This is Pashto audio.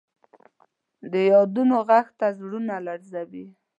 د یادونو ږغ تل زړونه لړزوي.